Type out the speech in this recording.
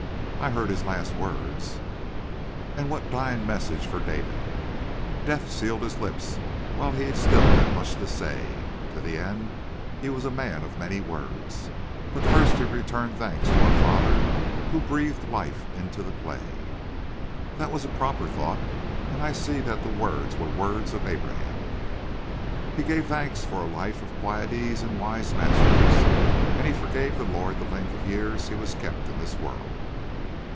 "I heard his last words." "And what dying message for David?" "Death sealed his lips while he had still much to say. To the end he was a man of many words. But first he returned thanks to our Father who breathed life into the clay." "That was a proper thought, and I see that the words were words of Abraham." "He gave thanks for a life of quiet ease and wise masters, and he forgave the Lord the length of years he was kept in this world."